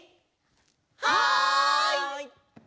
はい！